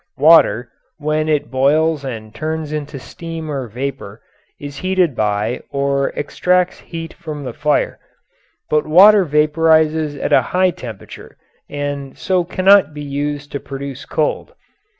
Water, when it boils and turns into steam or vapour, is heated by or extracts heat from the fire, but water vapourises at a high temperature and so cannot be used to produce cold.